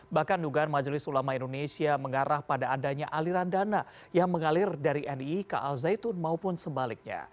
bahkan dugaan majelis ulama indonesia mengarah pada adanya aliran dana yang mengalir dari nii ke al zaitun maupun sebaliknya